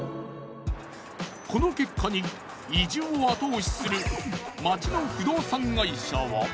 この結果に移住を後押しする町の不動産会社は？